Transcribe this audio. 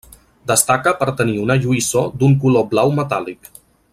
Destaca per tenir una lluïssor d'un color blau metàl·lic.